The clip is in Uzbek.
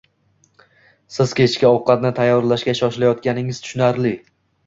Siz kechki ovqatni tayyorlashga shoshilayotganingiz tushunarli.